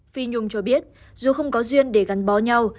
phi nhung cho biết dù không có duyên để gắn bó nhau